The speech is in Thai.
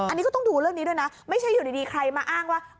อันนี้ก็ต้องดูเรื่องนี้ด้วยนะไม่ใช่อยู่ดีใครมาอ้างว่า